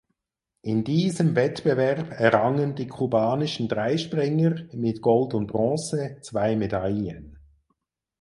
In diesem Wettbewerb errangen die kubanischen Dreispringer mit Gold und Bronze zwei Medaillen.